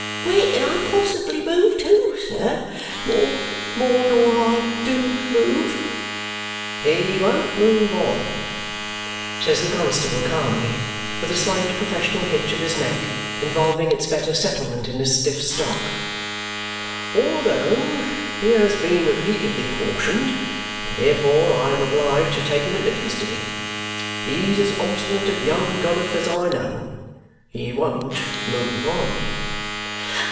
Where can I possibly move to, sir, more nor I do move!" "He won't move on," says the constable calmly, with a slight professional hitch of his neck involving its better settlement in his stiff stock, "although he has been repeatedly cautioned, and therefore I am obliged to take him into custody. He's as obstinate a young gonoph as I know. He WON'T move on."